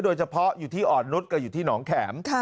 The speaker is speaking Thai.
โดยเฉพาะอยู่ที่อ่อนนุษย์ก็อยู่ที่หนองแข็ม